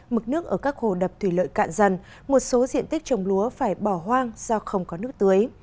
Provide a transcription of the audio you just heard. mực nước ở các hồ đập thủy lợi cạn dần một số diện tích trồng lúa phải bỏ hoang do không có nước tưới